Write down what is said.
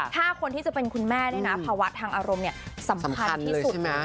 ถ้าคนที่จะเป็นคุณแม่เนี่ยนะภาวะทางอารมณ์สำคัญที่สุด